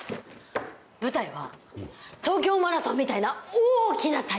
舞台は東京マラソンみたいな大きな大会。